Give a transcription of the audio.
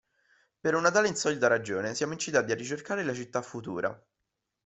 Per una tale insolita ragione siamo incitati a ricercare la Città futura.